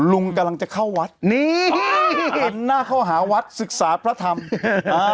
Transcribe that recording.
ลุงกำลังจะเข้าวัดนี่เห็นหน้าเข้าหาวัดศึกษาพระธรรมอ่า